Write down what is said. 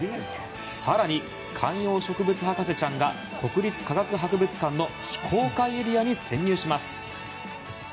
更に、観葉植物博士ちゃんが国立科学博物館の非公開エリアに潜入します。